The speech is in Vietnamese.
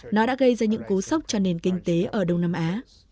nó đã gây ra những cú sốc cho nền kinh tế ở đông nam á